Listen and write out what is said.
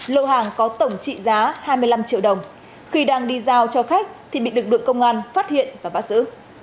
lô hàng có tổng trị giá hai mươi năm triệu đồng khi đang đi giao cho khách thì bị lực lượng công an phát hiện và bắt giữ